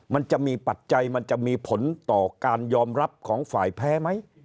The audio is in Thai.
มันจะมีปัจจัยมันจะมีผลต่อการยอมรับของฝ่ายแพ้ไหม